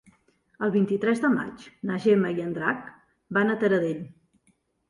El vint-i-tres de maig na Gemma i en Drac van a Taradell.